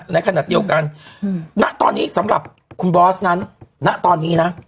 ในขณะเดียวกันณตอนนี้สำหรับคุณบอสนั้นณตอนนี้นะ